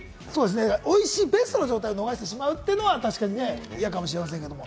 おいしいベストな状態を逃してしまうのは確かに嫌かもしれませんけど。